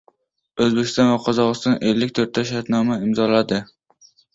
O‘zbekiston va Qozog‘iston ellik to'rtta shartnoma imzoladi